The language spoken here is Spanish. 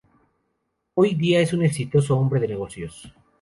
Hoy día es un exitoso hombre de negocios.